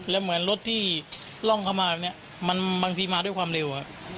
แล้วเหมือนรถที่ล่องเข้ามาแบบนี้บางทีมาด้วยความเร็ว